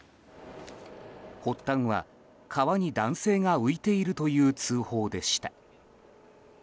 発端は川に男性が浮いているという通報でした。